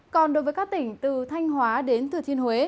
còn đối với các tỉnh từ thanh hóa đến thừa thiên huế